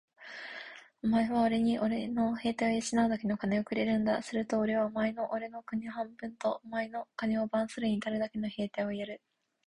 お前はおれにおれの兵隊を養うだけ金をくれるんだ。するとおれはお前におれの国を半分と、お前の金を番するのにたるだけの兵隊をやる。